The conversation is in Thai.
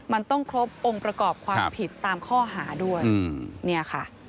มันต้องพรบองค์ประกอบความผิดตามข้อหาด้วย